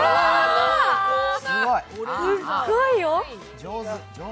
すっごいよ！